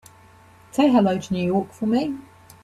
Say hello to New York for me.